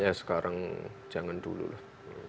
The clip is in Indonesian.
ya sekarang jangan dulu lah